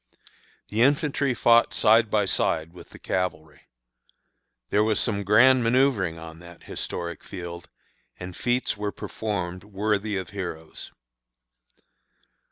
The infantry fought side by side with the cavalry. There was some grand manoeuvring on that historic field, and feats were performed worthy of heroes.